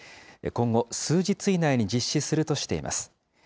今後、数日以内に実施するとしています。